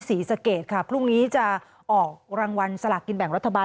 ศรีสะเกดค่ะพรุ่งนี้จะออกรางวัลสลากกินแบ่งรัฐบาล